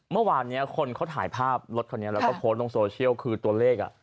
เมื่อวานนี้คนเขาถ่ายภาพรถคันนี้แล้วก็โพสต์ลงโซเชียลคือตัวเลข